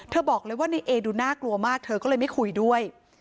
บอกเลยว่าในเอดูน่ากลัวมากเธอก็เลยไม่คุยด้วย